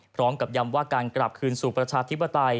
พร้อมกับยำว่าการกลับคืนสู่ประชาธิปไตย